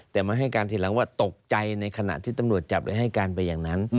แต่มาให้การทีหลังว่าตกใจในขณะที่ตำรวจจับและให้การไปอย่างนั้น